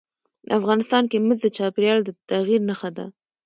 افغانستان کې مس د چاپېریال د تغیر نښه ده.